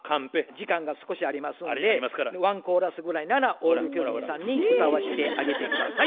「時間が少しありますんでワンコーラスぐらいならオール巨人さんに歌わしてあげて下さい」。